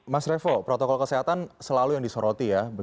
mas revo protokol kesehatan selalu yang disoroti ya